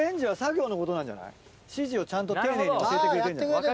指示をちゃんと丁寧に教えてくれてんじゃない？